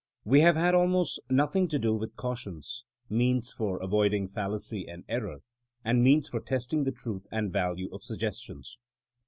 We have had almost nothing to do with cautions, means for avoiding fallacy and error, and means for test ing the truth and value of suggestions.